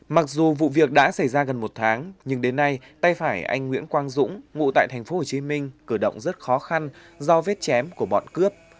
mặc dù vụ việc đã xảy ra gần một tháng nhưng đến nay tay phải anh nguyễn quang dũng ngụ tại thành phố hồ chí minh cử động rất khó khăn do vết chém của bọn cướp